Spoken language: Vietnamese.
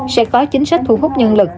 sẽ có chính sách thu hút nhân lực